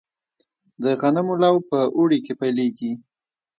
د غنمو لو په اوړي کې پیلیږي.